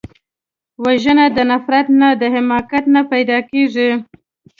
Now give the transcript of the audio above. وژنه د نفرت نه، د حماقت نه پیدا کېږي